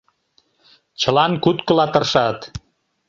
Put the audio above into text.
Чылан куткыла тыршат.